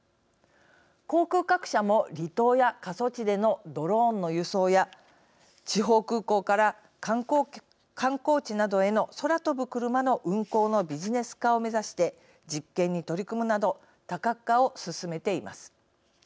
航空各社も離島や過疎地でのドローンの輸送や地方空港から観光地などへの空飛ぶ車の運行のビジネス化を目指して実験に取り組むなど多角化を進めています。